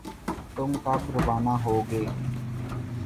تم کب روانہ ہوگے؟